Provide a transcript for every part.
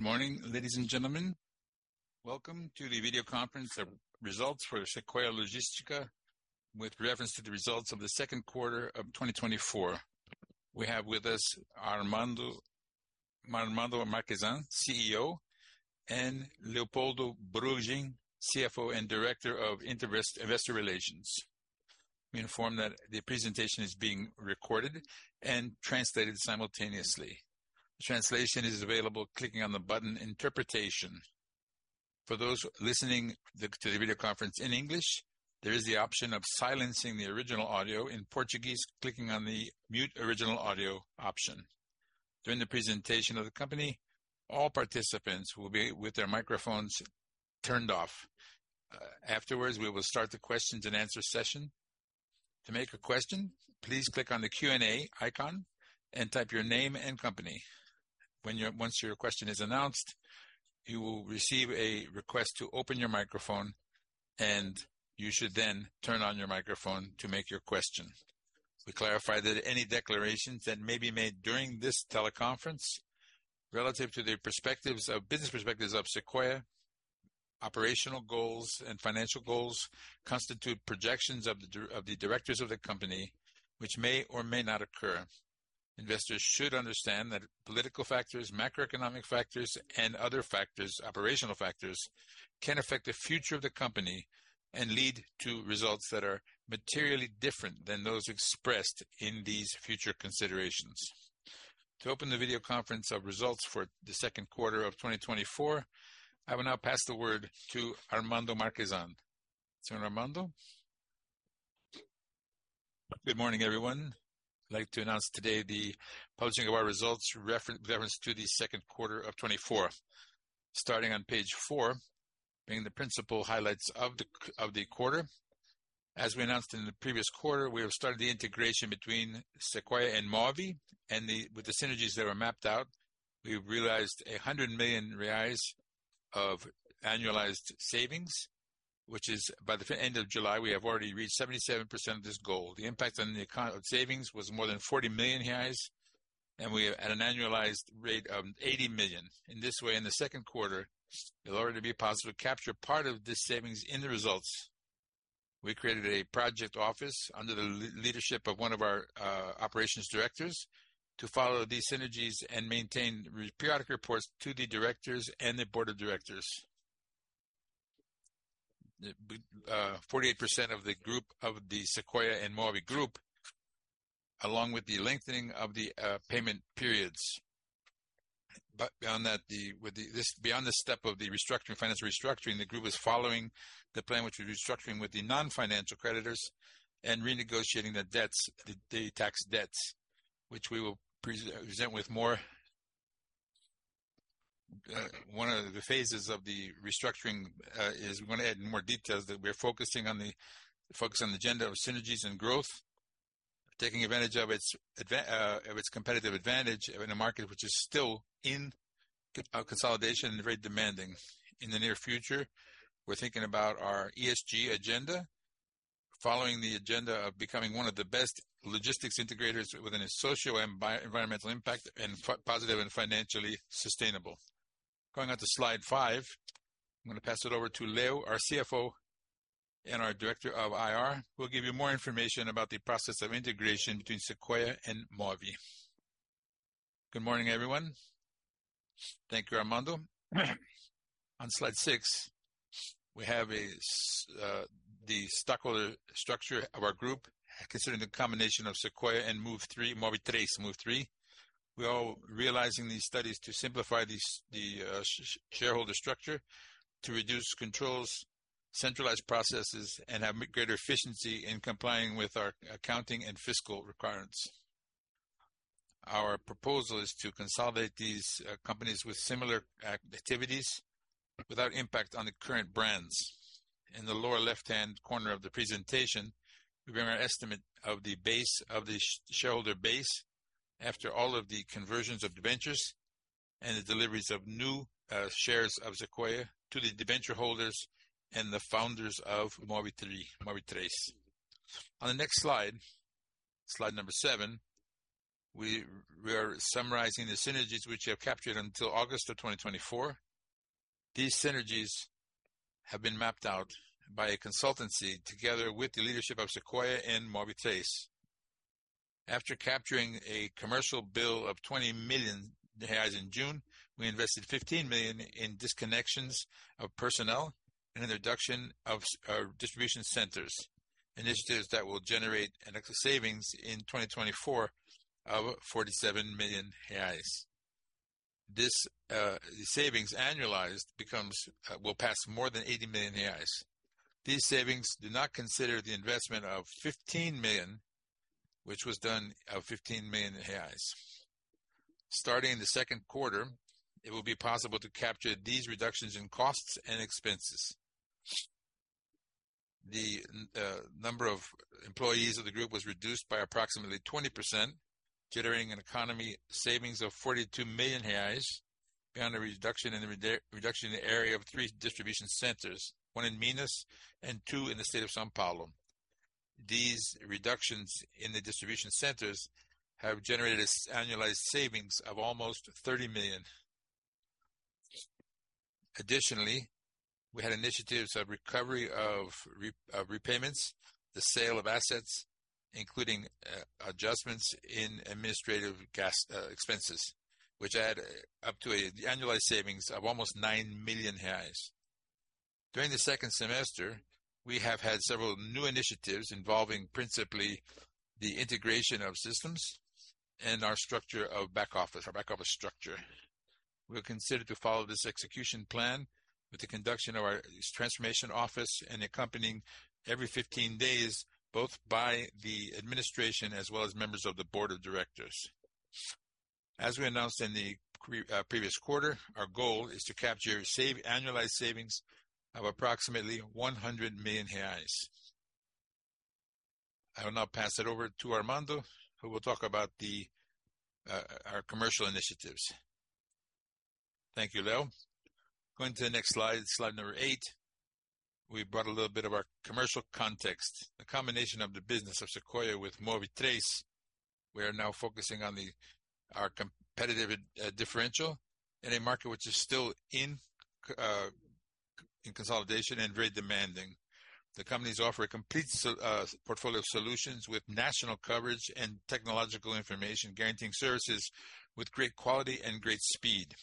...Good morning, ladies and gentlemen. Welcome to the video conference of results for Sequoia Logística, with reference to the results of the second quarter of 2024. We have with us Armando, Armando Marchesan, CEO, and Leopoldo Bruggen, CFO and Director of Investor Relations. We inform that the presentation is being recorded and translated simultaneously. Translation is available clicking on the button Interpretation. For those listening to the video conference in English, there is the option of silencing the original audio in Portuguese, clicking on the mute original audio option. During the presentation of the company, all participants will be with their microphones turned off. Afterwards, we will start the questions and answer session. To make a question, please click on the Q&A icon and type your name and company. Once your question is announced, you will receive a request to open your microphone, and you should then turn on your microphone to make your question. We clarify that any declarations that may be made during this teleconference, relative to the business perspectives of Sequoia, operational goals and financial goals, constitute projections of the directors of the company, which may or may not occur. Investors should understand that political factors, macroeconomic factors, and other factors, operational factors, can affect the future of the company and lead to results that are materially different than those expressed in these future considerations. To open the video conference of results for the second quarter of 2024, I will now pass the word to Armando Marchesan. Sir Armando? Good morning, everyone. I'd like to announce today the publishing of our results reference to the second quarter of 2024. Starting on page 4, being the principal highlights of the quarter. As we announced in the previous quarter, we have started the integration between Sequoia and Move3, and with the synergies that were mapped out, we've realized 100 million reais of annualized savings, which is by the end of July, we have already reached 77% of this goal. The impact on the economic savings was more than 40 million reais, and we are at an annualized rate of 80 million. In this way, in the second quarter, in order to be possible to capture part of this savings in the results, we created a project office under the leadership of one of our operations directors, to follow these synergies, and maintain periodic reports to the directors and the board of directors. 48% of the group, of the Sequoia and Move3 group, along with the lengthening of the payment periods. But beyond that, with this, beyond this step of the restructuring, financial restructuring, the group is following the plan, which is restructuring with the non-financial creditors and renegotiating the debts, the tax debts, which we will present with more... One of the phases of the restructuring is we're gonna add more details, that we're focusing on the agenda of synergies and growth, taking advantage of its competitive advantage in a market which is still in consolidation and very demanding. In the near future, we're thinking about our ESG agenda, following the agenda of becoming one of the best logistics integrators within a socio and bio-environmental impact, and positive and financially sustainable. Going on to slide five, I'm gonna pass it over to Leo, our CFO and our Director of IR, who will give you more information about the process of integration between Sequoia and MOVE3. Good morning, everyone. Thank you, Armando. On slide six, we have the stakeholder structure of our group, considering the combination of Sequoia and MOVE3.We are realizing these studies to simplify these, the shareholder structure, to reduce controls, centralize processes, and have greater efficiency in complying with our accounting and fiscal requirements. Our proposal is to consolidate these companies with similar activities without impact on the current brands. In the lower left-hand corner of the presentation, we bring our estimate of the base, of the shareholder base after all of the conversions of debentures and the deliveries of new shares of Sequoia to the debenture holders and the founders of Move Três. On the next slide, slide number 7, we are summarizing the synergies which we have captured until August of 2024. These synergies have been mapped out by a consultancy, together with the leadership of Sequoia and Move Três. After capturing a commercial bill of 20 million in June, we invested 15 million in disconnections of personnel, and introduction of distribution centers, initiatives that will generate an extra savings in 2024 of BRL 47 million. This, the savings, annualized, becomes, will pass more than 80 million reais. These savings do not consider the investment of 15 million, which was done, of 15 million reais. Starting in the second quarter, it will be possible to capture these reductions in costs and expenses. The number of employees of the group was reduced by approximately 20%, generating an economy savings of 42 million reais on a reduction in the reduction in the area of three distribution centers, one in Minas and two in the state of São Paulo. These reductions in the distribution centers have generated an annualized savings of almost 30 million. Additionally, we had initiatives of recovery of repayments, the sale of assets, including, adjustments in administrative cost, expenses, which add up to the annualized savings of almost 9 million reais. During the second semester, we have had several new initiatives involving principally the integration of systems and our structure of back office structure. We're considered to follow this execution plan with the conduction of our transformation office and accompanying every 15 days, both by the administration as well as members of the board of directors. As we announced in the previous quarter, our goal is to capture annualized savings of approximately 100 million reais. I will now pass it over to Armando, who will talk about our commercial initiatives. Thank you, Leo.Going to the next slide, slide number 8, we brought a little bit of our commercial context. A combination of the business of Sequoia with Move Três. We are now focusing on our competitive differential in a market which is still in consolidation and very demanding. The companies offer a complete portfolio of solutions with national coverage and technological information, guaranteeing services with great quality and great speed.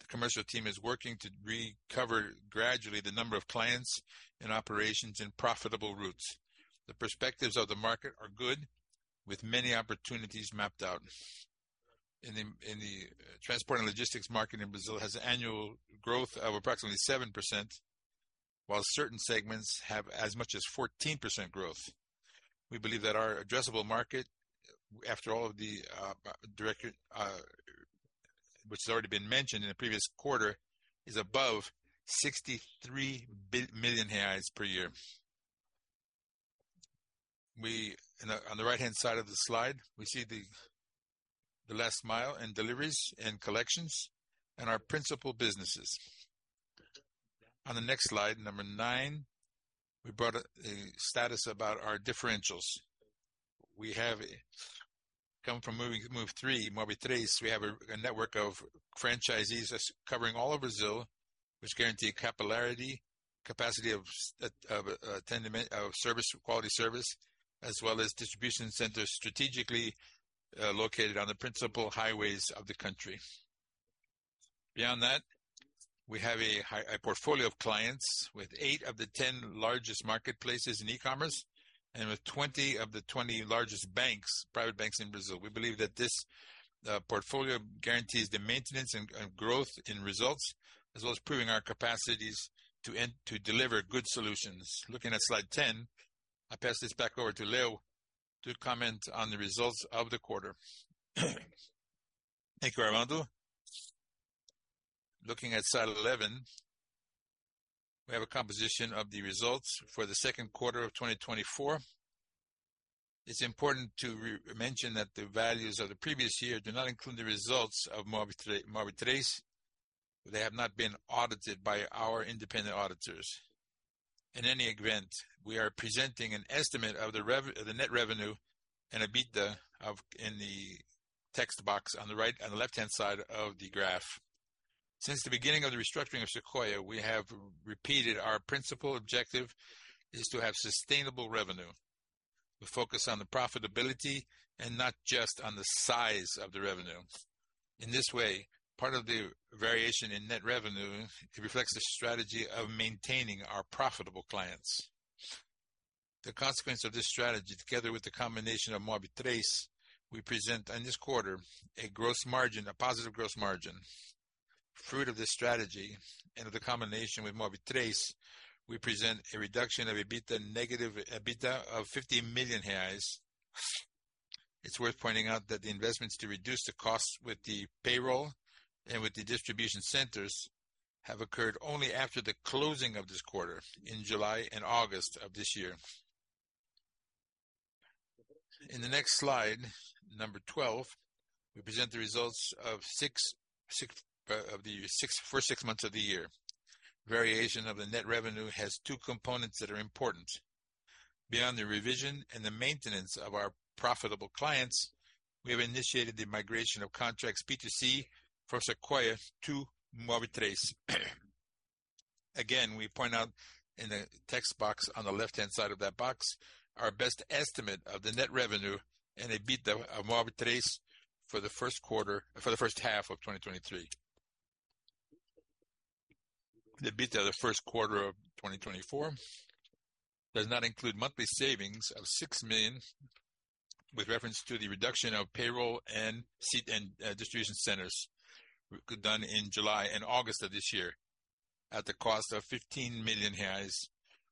The commercial team is working to recover gradually the number of clients and operations in profitable routes. The perspectives of the market are good, with many opportunities mapped out. In the transport and logistics market in Brazil has annual growth of approximately 7%, while certain segments have as much as 14% growth. We believe that our addressable market, after all of the director, which has already been mentioned in the previous quarter, is above 63 billion reais per year. We and on the right-hand side of the slide, we see the last mile and deliveries and collections and our principal businesses. On the next slide, number nine, we brought a status about our differentials. We have come from Move Três, Move Três. We have a network of franchisees that's covering all of Brazil, which guarantee capillarity, capacity of attendance of service, quality service, as well as distribution centers strategically located on the principal highways of the country. Beyond that, we have a portfolio of clients with 8 of the 10 largest marketplaces in e-commerce, and with 20 of the 20 largest private banks in Brazil. We believe that this portfolio guarantees the maintenance and growth in results, as well as proving our capacities to deliver good solutions. Looking at slide 10, I pass this back over to Leo to comment on the results of the quarter. Thank you, Armando. Looking at slide 11, we have a composition of the results for the second quarter of 2024. It's important to mention that the values of the previous year do not include the results of Move Três. They have not been audited by our independent auditors. In any event, we are presenting an estimate of the net revenue and EBITDA in the text box on the left-hand side of the graph. Since the beginning of the restructuring of Sequoia, we have repeated our principal objective is to have sustainable revenue. We focus on the profitability and not just on the size of the revenue. In this way, part of the variation in net revenue, it reflects the strategy of maintaining our profitable clients. The consequence of this strategy, together with the combination of Move Três, we present on this quarter a gross margin, a positive gross margin. Fruit of this strategy and of the combination with Move Três, we present a reduction of EBITDA, negative EBITDA of 50 million reais. It's worth pointing out that the investments to reduce the costs with the payroll and with the distribution centers have occurred only after the closing of this quarter in July and August of this year. In the next slide, number 12, we present the results of the first six months of the year. Variation of the net revenue has two components that are important. Beyond the revision and the maintenance of our profitable clients, we have initiated the migration of contracts B2C from Sequoia to Move Três. Again, we point out in the text box on the left-hand side of that box, our best estimate of the net revenue and EBITDA of Move Três for the first quarter for the first half of 2023. The EBITDA of the first quarter of 2024 does not include monthly savings of 6 million, with reference to the reduction of payroll and seat and distribution centers, done in July, and August of this year, at the cost of 15 million reais,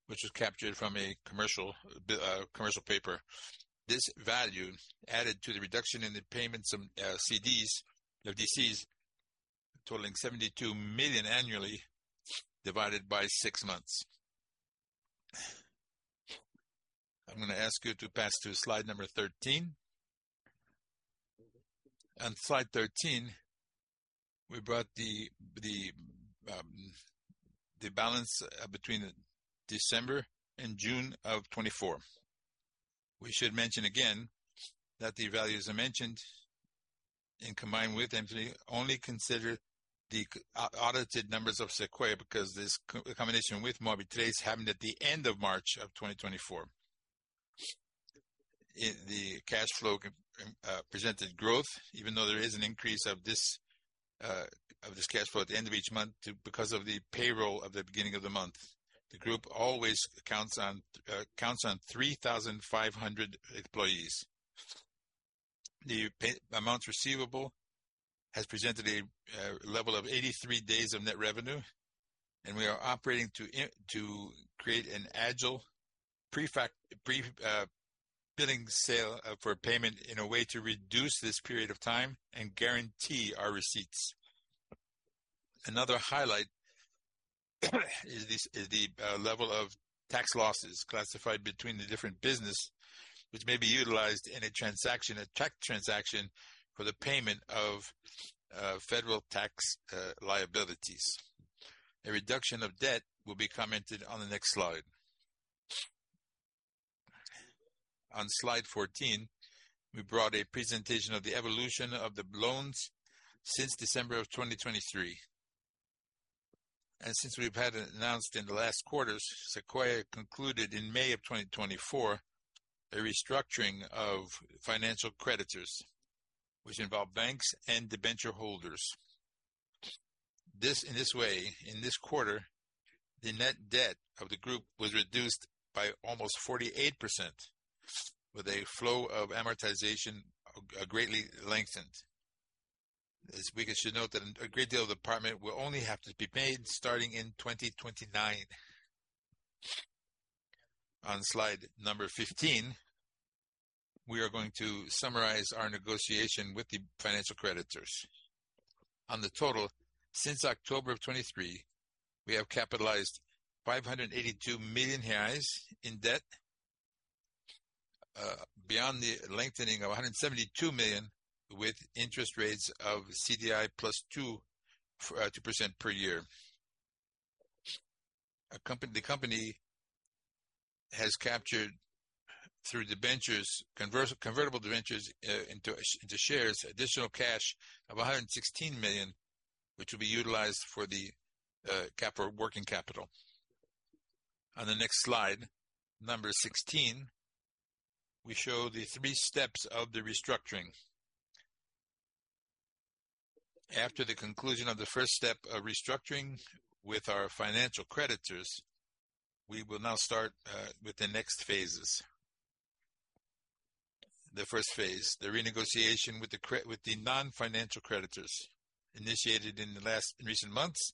which was captured from a commercial commercial paper. This value added to the reduction in the payments of CDs of DCs, totaling 72 million annually, divided by six months. I'm gonna ask you to pass to slide number 13. On slide 13, we brought the balance between December, and June of 2024. We should mention again that the values I mentioned and combined with them only consider the audited numbers of Sequoia, because this combination with MOVE3 happened at the end of March of 2024. In the cash flow presented growth, even though there is an increase of this cash flow at the end of each month because of the payroll of the beginning of the month. The group always counts on 3,500 employees. The accounts receivable has presented a level of 83 days of net revenue, and we are operating to create an agile pre-billing sale for payment in a way to reduce this period of time and guarantee our receipts. Another highlight is the level of tax losses classified between the different business, which may be utilized in a transaction, a tax transaction, for the payment of federal tax liabilities. A reduction of debt will be commented on the next slide. On slide 14, we brought a presentation of the evolution of the loans since December 2023, and since we've had it announced in the last quarters, Sequoia concluded in May 2024 a restructuring of financial creditors, which involved banks and debenture holders. In this way, in this quarter, the net debt of the group was reduced by almost 48%, with a flow of amortization greatly lengthened. As we should note, that a great deal of the payment will only have to be made starting in 2029. On slide number 15, we are going to summarize our negotiation with the financial creditors. On the total, since October of 2023, we have capitalized 582 million reais in debt, beyond the lengthening of 172 million, with interest rates of CDI+2% per year. The company has captured, through debentures, convertible debentures into shares, additional cash of 116 million, which will be utilized for the capital, working capital. On the next slide, 16, we show the three steps of the restructuring. After the conclusion of the first step of restructuring with our financial creditors, we will now start with the next phases. The first phase, the renegotiation with the non-financial creditors, initiated in the last recent months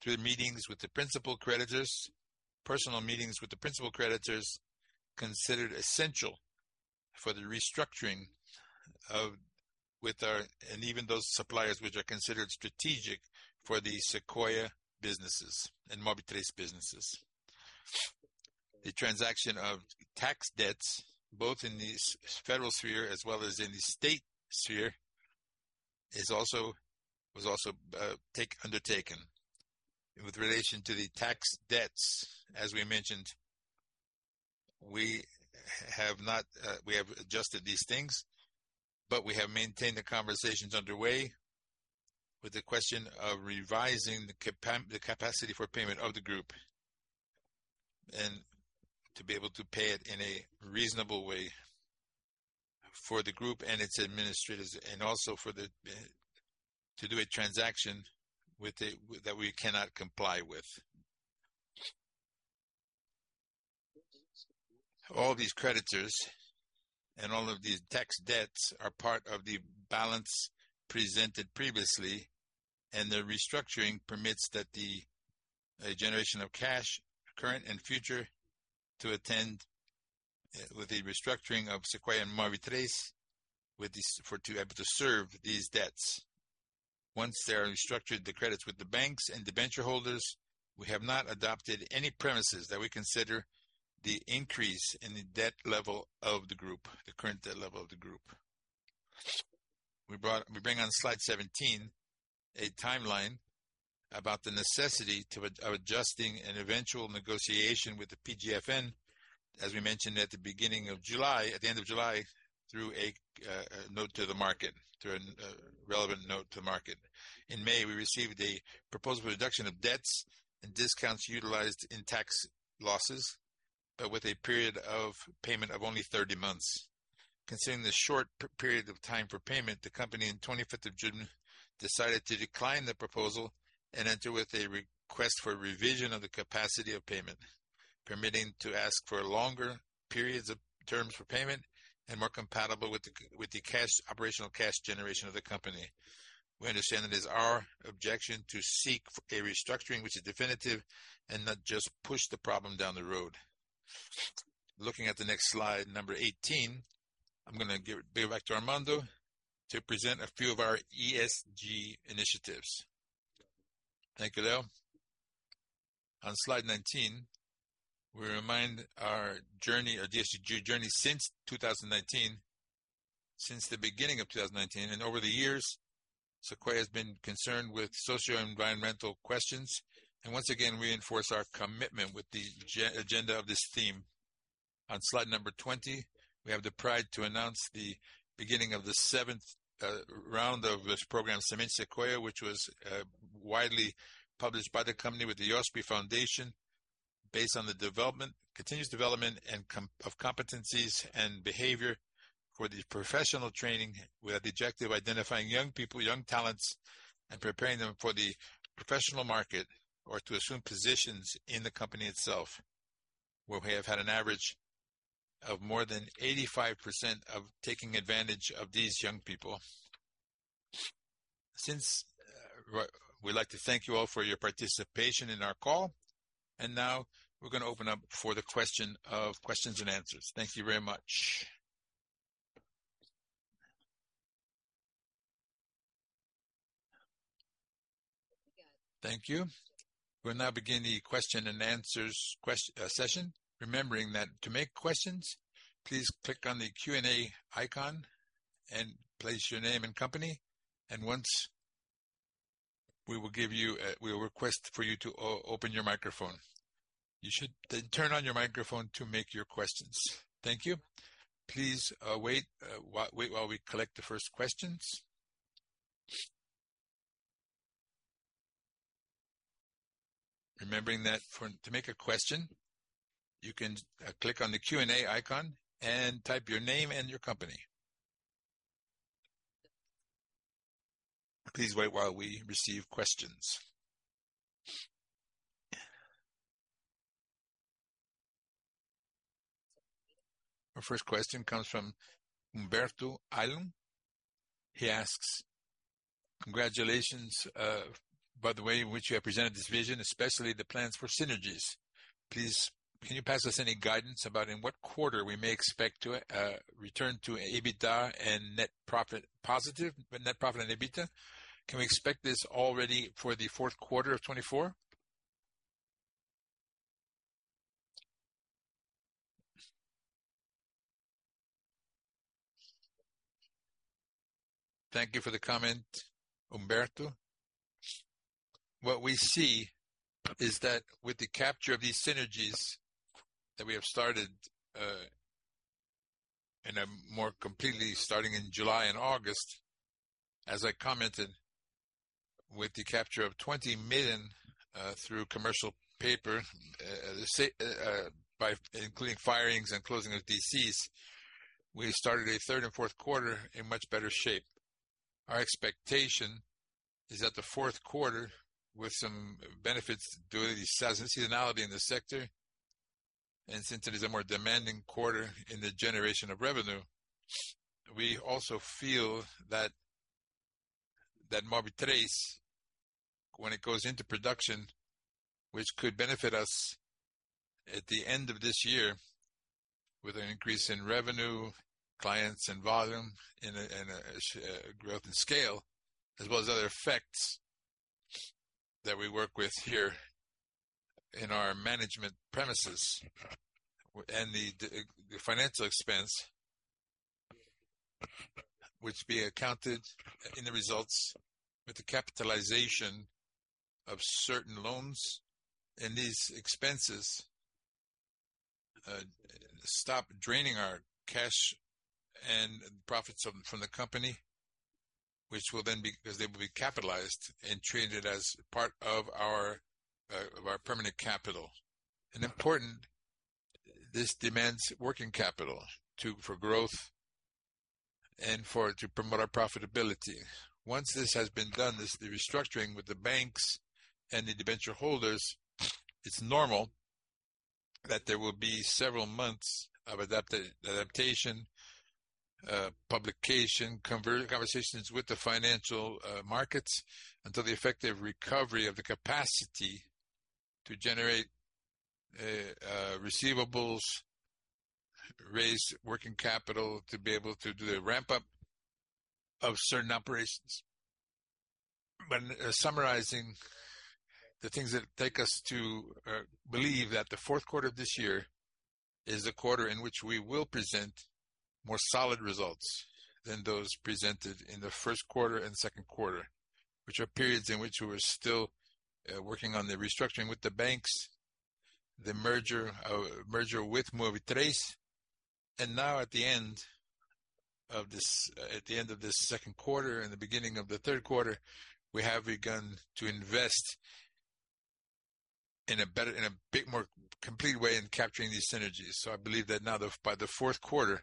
through meetings with the principal creditors. Personal meetings with the principal creditors, considered essential for the restructuring, with our and even those suppliers which are considered strategic for the Sequoia businesses, and Move3 businesses. The transaction of tax debts, both in the federal sphere as well as in the state sphere, was also undertaken. With relation to the tax debts, as we mentioned, we have not, we have adjusted these things, but we have maintained the conversations underway with the question of revising the capacity for payment of the group, and to be able to pay it in a reasonable way for the group and its administrators, and also for the to do a transaction with that we cannot comply with. All these creditors, and all of these tax debts are part of the balance presented previously, and the restructuring permits that the generation of cash, current and future, to attend with the restructuring of Sequoia and MOVE3, with these to be able to serve these debts. Once they are restructured, the credits with the banks and debenture holders, we have not adopted any premises that we consider the increase in the debt level of the group, the current debt level of the group. We bring on slide 17, a timeline about the necessity of adjusting an eventual negotiation with the PGFN, as we mentioned at the end of July, through a note to the market, through a relevant note to market. In May, we received a proposal for reduction of debts and discounts utilized in tax losses, with a period of payment of only 30 months. Considering the short period of time for payment, the company on 25th of June decided to decline the proposal and enter with a request for revision of the capacity of payment, permitting to ask for longer periods of terms for payment, and more compatible with the cash, operational cash generation of the company. We understand it is our objective to seek a restructuring which is definitive and not just push the problem down the road. Looking at the next slide, number 18, I'm going to give it back to Armando to present a few of our ESG initiatives. Thank you, Leo. On slide 19, we remind our journey, our ESG journey since 2019, since the beginning of 2019, and over the years, Sequoia has been concerned with socio-environmental questions, and once again, reinforce our commitment with the agenda of this theme. On slide number 20, we have the pride to announce the beginning of the seventh round of this program, Sementes Sequoia, which was widely published by the company with the Fundação Iochpe, based on the continuous development and commitment of competencies and behavior for the professional training, with the objective of identifying young people, young talents, and preparing them for the professional market or to assume positions in the company itself, where we have had an average of more than 85% of taking advantage of these young people. Since we'd like to thank you all for your participation in our call, and now we're going to open up for the questions and answers. Thank you very much. Thank you. We'll now begin the questions and answers Q&A session. Remembering that to make questions, please click on the Q&A icon and place your name and company, and once we will give you, we will request for you to open your microphone. You should then turn on your microphone to make your questions. Thank you. Please wait while we collect the first questions. Remembering that to make a question, you can click on the Q&A icon and type your name and your company. Please wait while we receive questions. Our first question comes from Umberto Alum. He asks, "Congratulations by the way in which you have presented this vision, especially the plans for synergies. Please, can you pass us any guidance about in what quarter we may expect to return to EBITDA and net profit positive, net profit and EBITDA? Can we expect this already for the fourth quarter of 2024?" Thank you for the comment, Umberto. What we see is that with the capture of these synergies that we have started in a more completely starting in July and August, as I commented, with the capture of 20 million through commercial paper, by including firings and closing of DCs, we started a third and fourth quarter in much better shape. Our expectation is that the fourth quarter, with some benefits due to the seasonality in the sector, and since it is a more demanding quarter in the generation of revenue, we also feel that Move Três, when it goes into production, which could benefit us at the end of this year with an increase in revenue, clients and volume, and a growth in scale, as well as other effects that we work with here in our management premises. The financial expense, which will be accounted in the results with the capitalization of certain loans, and these expenses stop draining our cash and profits from the company, which will then be... Because they will be capitalized and treated as part of our permanent capital. Important, this demands working capital for growth and to promote our profitability. Once this has been done, the restructuring with the banks and the debenture holders, it's normal that there will be several months of adaptation, publication, conversations with the financial markets until the effective recovery of the capacity to generate receivables, raise working capital, to be able to do the ramp-up of certain operations. But, summarizing the things that take us to believe that the fourth quarter of this year is the quarter in which we will present more solid results than those presented in the first quarter and second quarter, which are periods in which we were still working on the restructuring with the banks, the merger with Move Três. And now, at the end of this second quarter and the beginning of the third quarter, we have begun to invest in a better, in a bit more complete way in capturing these synergies. So I believe that now, by the fourth quarter,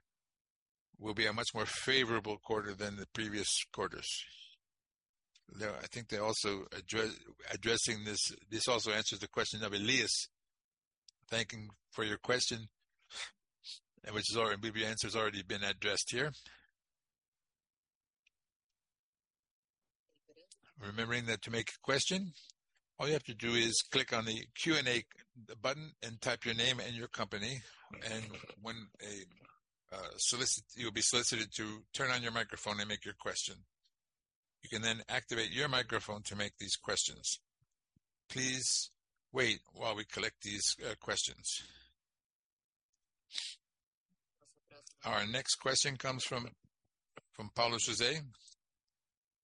will be a much more favorable quarter than the previous quarters. Now, I think they're also addressing this; this also answers the question of Elias. Thank you for your question, which is already—your answer has already been addressed here. Remembering that to make a question, all you have to do is click on the Q&A button and type your name and your company, and when you'll be solicited to turn on your microphone and make your question. You can then activate your microphone to make these questions. Please wait while we collect these questions. Our next question comes from Paulo José.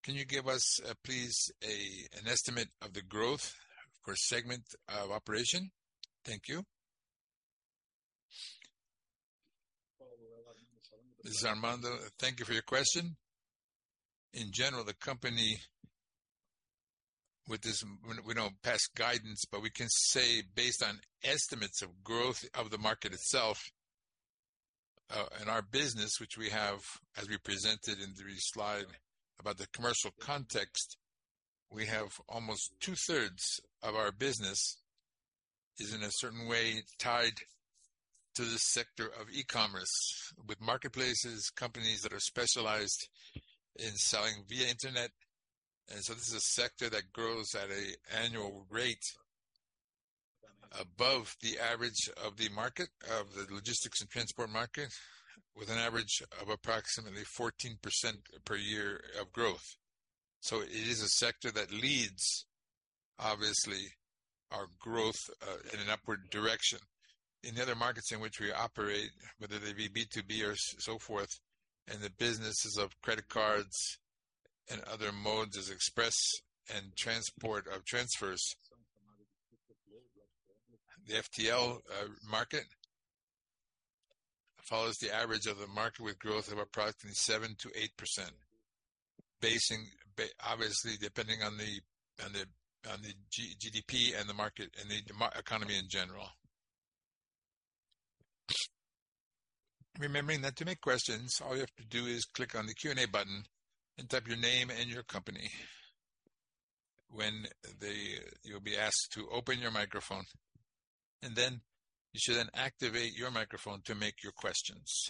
Can you give us, please, an estimate of the growth per segment of operation? Thank you. This is Armando. Thank you for your question. In general, the company, with this, we don't pass guidance, but we can say based on estimates of growth of the market itself, and our business, which we have, as we presented in the slide about the commercial context, we have almost two-thirds of our business is in a certain way tied to the sector of E-commerce, with marketplaces, companies that are specialized in selling via internet. And so this is a sector that grows at an annual rate above the average of the market, of the logistics and transport market, with an average of approximately 14% per year of growth. So it is a sector that leads, obviously, our growth in an upward direction. In the other markets in which we operate, whether they be B2B or so forth, and the businesses of credit cards and other modes as express and transport of transfers, the FTL market follows the average of the market, with growth of approximately 7%-8%. Obviously, depending on the GDP and the market, and the economy in general. Remembering that to make questions, all you have to do is click on the Q&A button and type your name and your company. When the... You'll be asked to open your microphone, and then you should activate your microphone to make your questions.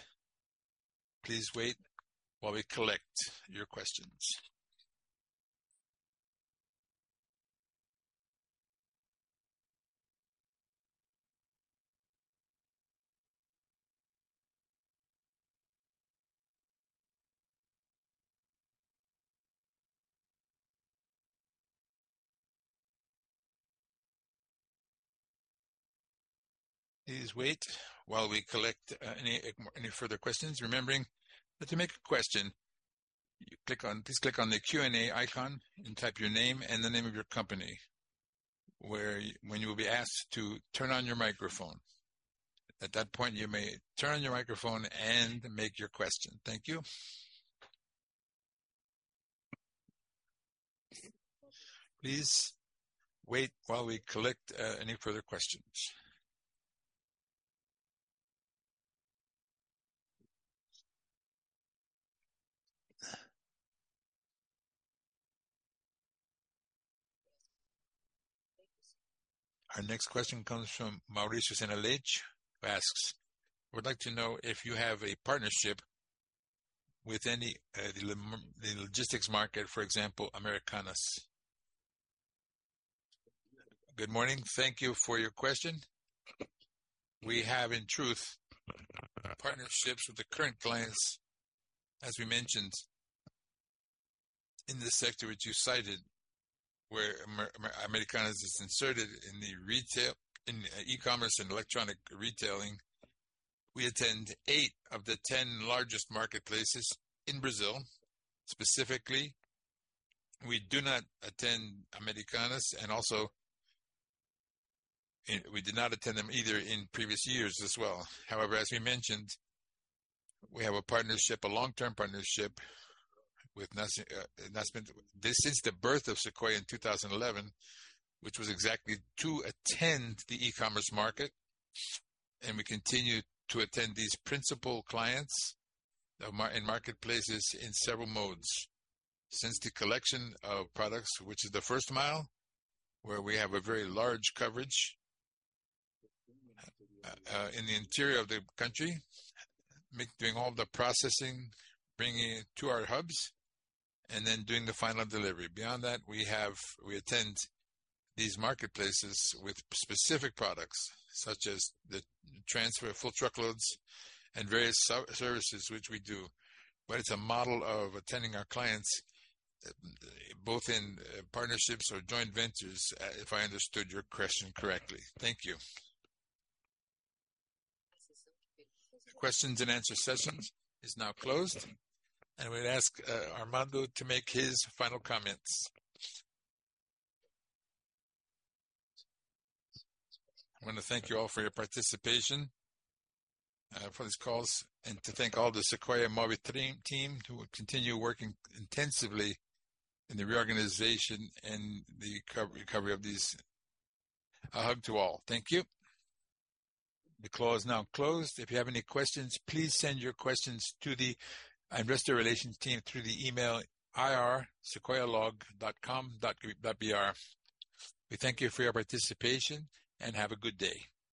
Please wait while we collect your questions. Please wait while we collect any further questions. Remembering that to make a question, you click on the Q&A icon and type your name and the name of your company, when you will be asked to turn on your microphone. At that point, you may turn on your microphone and make your question. Thank you. Please wait while we collect any further questions. Our next question comes from Mauricio Senalich, who asks: "I would like to know if you have a partnership with any the logistics market, for example, Americanas?" Good morning. Thank you for your question. We have, in truth, partnerships with the current clients, as we mentioned, in the sector which you cited, where Americanas is inserted in the retail in e-commerce and electronic retailing. We attend eight of the 10 largest marketplaces in Brazil. Specifically, we do not attend Americanas, and also, we did not attend them either in previous years as well. However, as we mentioned, we have a partnership, a long-term partnership, with Naspers. This is the birth of Sequoia in 2011, which was exactly to attend the e-commerce market, and we continue to attend these principal clients in marketplaces in several modes. Since the collection of products, which is the first mile, where we have a very large coverage in the interior of the country, doing all the processing, bringing it to our hubs, and then doing the final delivery. Beyond that, we attend these marketplaces with specific products, such as the transfer, full truckloads and various services, which we do. But it's a model of attending our clients, both in, partnerships or joint ventures, if I understood your question correctly. Thank you. The questions and answer sessions is now closed, and we'd ask, Armando to make his final comments. I want to thank you all for your participation, for this calls, and to thank all the Sequoia and Move3 team, who will continue working intensively in the reorganization and the recover, recovery of these. A hug to all. Thank you. The call is now closed. If you have any questions, please send your questions to the investor relations team through the email, ir@sequoialogistica.com.br. We thank you for your participation, and have a good day.